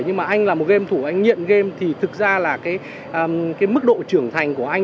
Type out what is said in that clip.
nhưng mà anh là một game thủ anh nghiện game thì thực ra là cái mức độ trưởng thành của anh